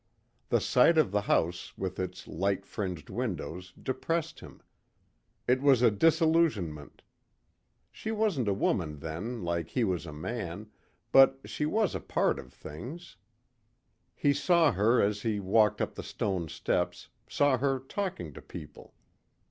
The sight of the house with its light fringed windows depressed him. It was a disillusionment. She wasn't a woman then like he was a man but she was a part of things. He saw her as he walked up the stone steps, saw her talking to people.